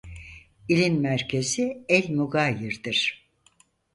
İlin merkezi El-Mugayir'dir.